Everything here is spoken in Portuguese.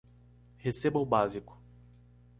Receba o básico